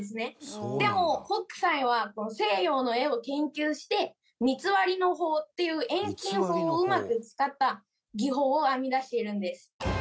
でも北斎は西洋の絵を研究して三ツ割の法っていう遠近法をうまく使った技法を編み出しているんです。